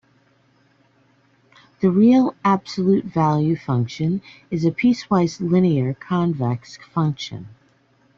The real absolute value function is a piecewise linear, convex function.